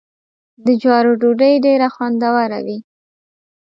د جوارو ډوډۍ ډیره خوندوره وي.